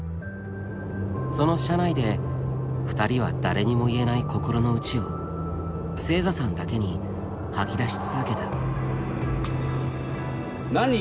その車内で２人は誰にも言えない心の内を星座さんだけに吐き出し続けた。